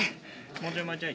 もうちょいもうちょい。